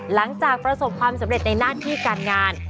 หลังจากประสบความสำเร็จในหน้าที่การงาน